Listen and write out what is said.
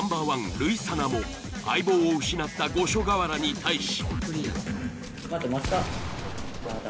Ｒｕｉサナも相棒を失った五所川原に対し。